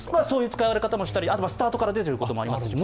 そういう使われ方もしたりスタートから出ていることもあります。